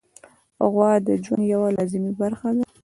غوا د ژوند یوه لازمي برخه ده.